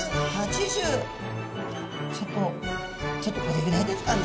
ちょっとちょっとこれぐらいですかね。